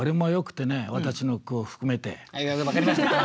分かりましたよ！